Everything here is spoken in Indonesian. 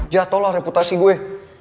jatoh lah reputasi gue